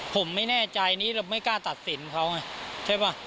ผมไม่แน่ใจนี่เราไม่กล้าตัดสินเขาไงใช่ป่ะ